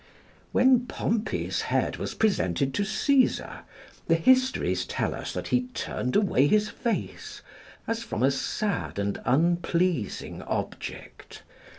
] When Pompey's head was presented to Caesar, the histories tell us that he turned away his face, as from a sad and unpleasing object.